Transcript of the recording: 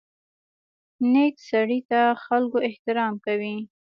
نیکه سړي ته خلکو احترام کوي.